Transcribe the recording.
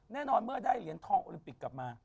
แน่นอนเมื่อได้เหรียญทองโอลิมปิกกลับมา